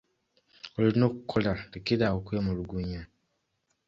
Olina okukola lekeraawo okwemulugunya.